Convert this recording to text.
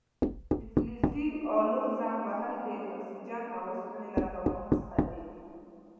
د فلزي الو زنګ وهل د اکسیجن او اوسپنې له تعامل څخه دی.